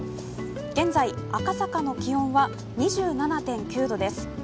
現在、赤坂の気温は２７．９度です。